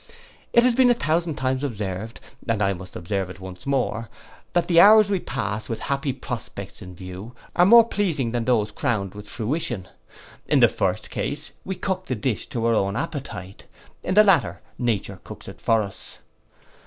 It has been a thousand times observed, and I must observe it once more, that the hours we pass with happy prospects in view, are more pleasing than those crowned with fruition. In the first case we cook the dish to our own appetite; in the latter nature cooks it for us.